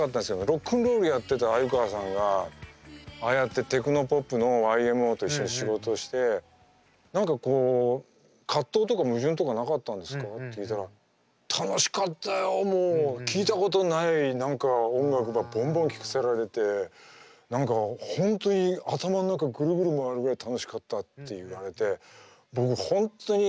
ロックンロールやってた鮎川さんがああやってテクノポップのＹＭＯと一緒に仕事をして何かこう葛藤とか矛盾とかなかったんですかって聞いたら「楽しかったよもう聴いたことない何か音楽ばボンボン聴かせられて何か本当に頭の中グルグル回るぐらい楽しかった」って言われて僕本当にあ